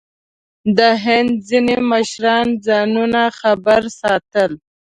د هند ځینې مشران ځانونه خبر ساتل.